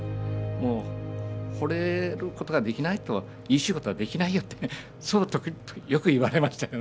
もう惚れることができないといい仕事はできないよってよく言われましたから。